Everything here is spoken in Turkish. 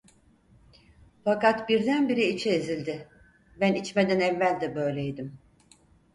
Fakat birdenbire içi ezildi: "Ben içmeden evvel de böyleydim."